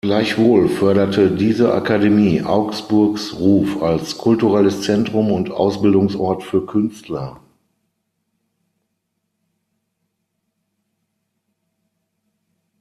Gleichwohl förderte diese Akademie Augsburgs Ruf als kulturelles Zentrum und Ausbildungsort für Künstler.